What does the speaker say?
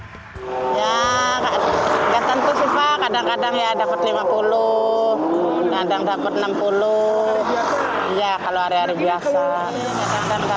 tentu sih pak kadang kadang dapat lima puluh kadang dapat enam puluh kalau hari hari biasa